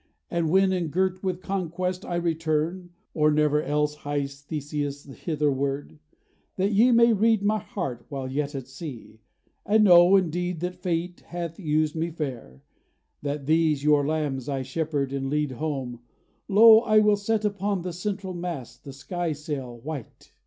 And when engirt with conquest I return (Or never else hies Theseus hitherward), That ye may read my heart while yet at sea, And know indeed that fate hath used me fair, That these your lambs I shepherd and lead home, Lo, I will set upon the central mast The sky sail white!